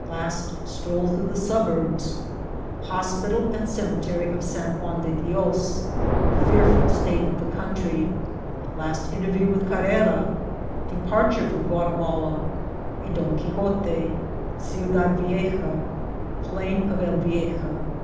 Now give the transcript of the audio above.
— Last Stroll through the Suburbs. — Hospital and Cemetery of San Juan de Dios. — Fearful State of the Country.— Last Interview with Carrera, — Departure from Guati mala. — A Don Quixote. — Ciudad Vieja. — Plain of El Vieja.